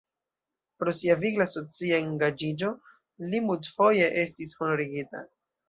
Pro sia vigla socia engaĝiĝo li multfoje estis honorigita.